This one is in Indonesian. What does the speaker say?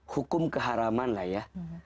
hukum keharaman lah ya